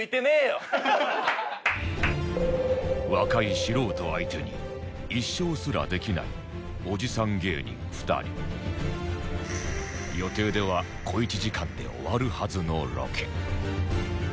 若い素人相手に１勝すらできないおじさん芸人２人予定では小１時間で終わるはずのロケ